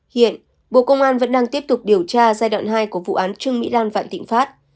hiện bộ công an vẫn đang tiếp tục điều tra giai đoạn hai của vụ án trương mỹ lan vạn thịnh pháp